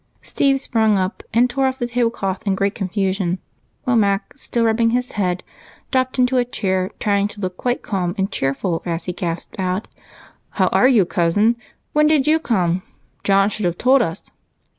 Steve sprang up and tore off the tablecloth in great confusion, while Mac, still rubbing his head, dropped into a chair, trying to look quite calm and cheerful as he gasped out: "How are you, Cousin? When did you come? John should have told us."